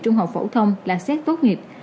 trung học phổ thông là xét tốt nghiệp